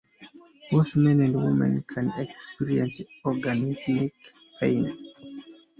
Both men and women can experience orgasmic pain.